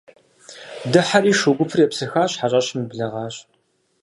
Дыхьэри шу гупыр епсыхащ, хьэщӀэщым еблэгъащ.